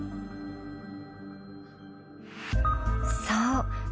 そう。